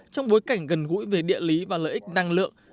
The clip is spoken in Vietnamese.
trong bối cảnh gần gũi về địa lý và lợi ích năng lượng